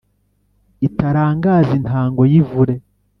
itarangaza intango y’ivure,